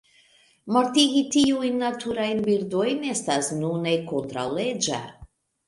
Mortigi tiujn naturajn birdojn estas nune kontraŭleĝa.